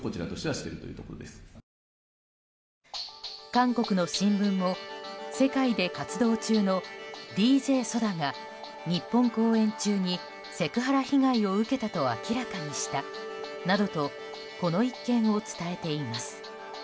韓国の新聞も、世界で活動中のＤＪＳＯＤＡが日本公演中にセクハラ被害を受けたと明らかにしたなどとこの一件を伝えています。